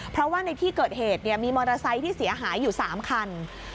เพราะว่าในที่เกิดเหตุมีมอเตอร์ไซค์ที่เสียหายอยู่๓คัน